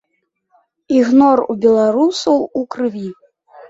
Ігнор у беларусаў у крыві.